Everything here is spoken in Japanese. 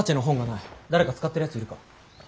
誰か使ってるやついるか？